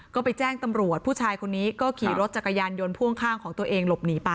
ก็ไปแจ้งตำรวจผู้ชายคนนี้ก็ขี่รถจักรยานยนต์พ่วงข้างของตัวเองหลบหนีไป